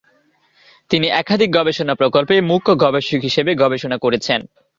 তিনি একাধিক গবেষণা প্রকল্পে মুখ্য গবেষক হিসেবে গবেষণা করেছেন।